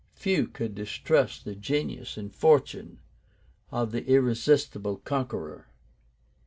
Few could distrust the genius and fortune of the irresistible conqueror.